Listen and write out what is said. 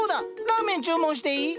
ラーメン注文していい？